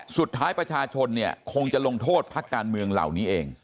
สุดท้ายประชาชนเนี่ยคงจะลงโทษพักการเมืองเหล่านี้เอง